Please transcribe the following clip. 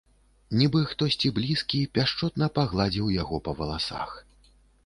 Нібы хтосьці блізкі пяшчотна пагладзіў яго па валасах.